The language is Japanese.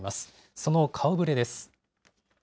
その顔ぶれです。